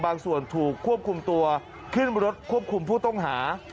บางส่วนถูกควบคุมตัวขึ้นบริษัทควบคุมผู้ต้องหา